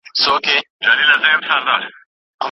که پند واخلې نو بریالی یې.